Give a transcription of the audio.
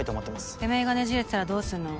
てめぇがねじれてたらどうすんの。